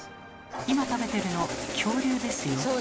今食べてるの恐竜ですよ。